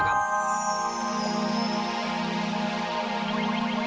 sampai jumpa di video selanjutnya